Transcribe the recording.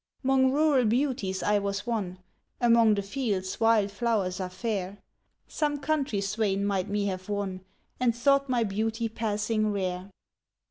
"'Mong rural beauties I was one, Among the fields wild flowers are fair; Some country swain might me have won, And thought my beauty passing rare.